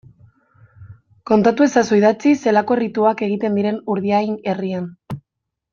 Kontatu ezazu idatziz zelako errituak egiten diren Urdiain herrian.